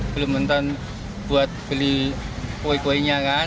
belum nonton buat beli kue kuenya kan